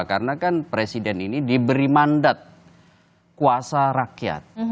karena kan presiden ini diberi mandat kuasa rakyat